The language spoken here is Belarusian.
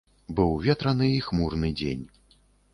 Быў ветраны і хмурны дзень.